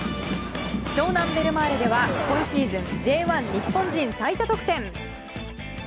湘南ベルマーレでは、今シーズンＪ１日本人最多得点。